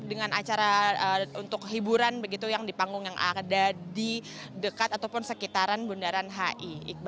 dengan acara untuk hiburan begitu yang di panggung yang ada di dekat ataupun sekitaran bundaran hi